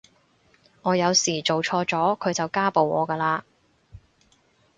我有時做錯咗佢就家暴我㗎喇